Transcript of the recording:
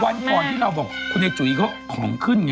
วันก่อนที่เราบอกคุณยายจุ๋ยเขาของขึ้นไง